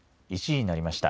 １時になりました。